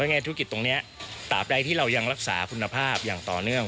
แง่ธุรกิจตรงนี้ตามใดที่เรายังรักษาคุณภาพอย่างต่อเนื่อง